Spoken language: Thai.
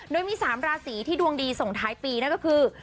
โดยมี๓ราศีที่ดวงดีส่งท้ายปีนั่นก็คือ